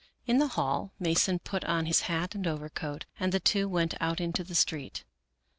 In the hall Mason put on his hat and overcoat, and the two went out into the street.